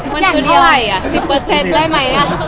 มันคือที่ไหนอ่ะ๑๐เปอร์เซ็นต์ได้ไหมอ่ะ๒๐